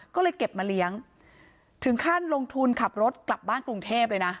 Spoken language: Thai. ก็เลยเก็บมาเลี้ยงถึงขั้นลงทุนขับรถกลับบ้านกรุงเทพเลยนะ